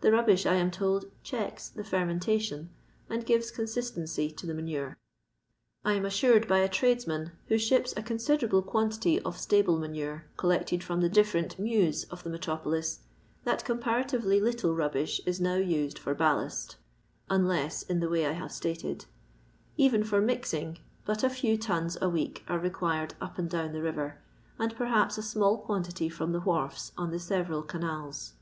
The rubbish, I am told, checks the fermentation, and gives consistency to the manure. I am assured by a tradesman, who ships a con iidemble quantity of stable manure collected from the difierent mews of the metropolis, that com paratirely little rubbish is now used for ballast (unless m the way I have stated) ; even for mixing, but a few tons a week are required up and down the riyer, and perhaps a small quantity from the wharfs on the several canals.